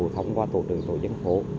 thông qua tổ chức tổ chính phủ